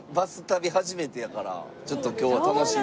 初めてやからちょっと今日は楽しみ。